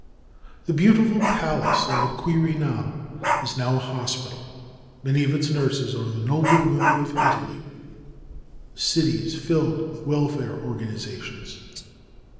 The beautiful Palace on the Quirinal is now a hospital. Many of its nurses are the noble women of Italy. The city is filled with welfare organizations.